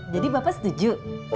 jadi bapak setuju